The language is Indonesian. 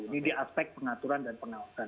ini di aspek pengaturan dan pengawasan